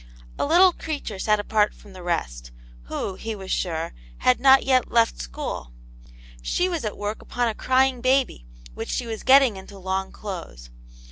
A little crea ture sat apart from the rest, who, he was sure, had not yet left school : she was at work upon a crying baby, which she was getting into long clothes.